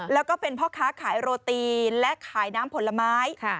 แล้วก็เป็นพ่อค้าขายโรตีและขายน้ำผลไม้